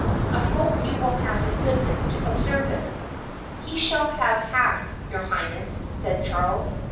I hope you will have the goodness to observe it." "He shall have half, your Highness," said Charles.